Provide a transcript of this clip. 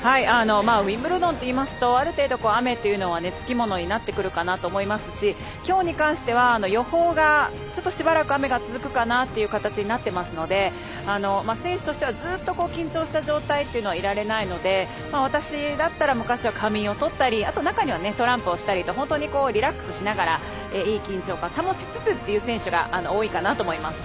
ウィンブルドンといいますとある程度、雨というのはつき物になってくるかなと思いますし今日に関しては、予報がしばらく雨が続くかなという形になっていますので、選手としてはずっと緊張した状態ではいられないので私だったら、昔は仮眠をとったりあと中にはトランプをしたりと本当にリラックスしながらいい緊張感を保ちつつという選手が多いかなと思います。